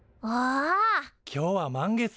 今日は満月か。